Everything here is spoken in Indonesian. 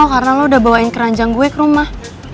karena lo udah bawain keranjang gue ke rumah